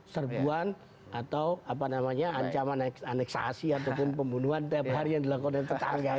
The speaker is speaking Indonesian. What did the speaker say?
serbuan atau apa namanya ancaman aneksasi ataupun pembunuhan tepah yang dilakukan yang terkanggah